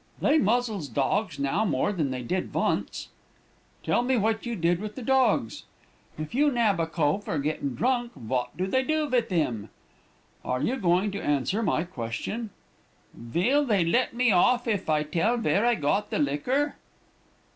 "'They muzzles dogs now more than they did vonce.' "'Tell me what you did with the dogs.' "'If you nab a cove for gettin' drunk vot do they do vith 'im?' "'Are you going to answer my question?' "'Vill they let me off if I tell vere I got the liquor?'